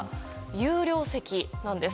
有料席なんです。